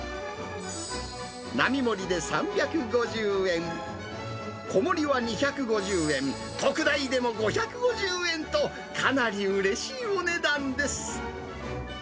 並盛りで３５０円、小盛りは２５０円、特大でも５５０円と、かなりうれしいお値段です。